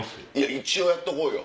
一応やっとこうよ。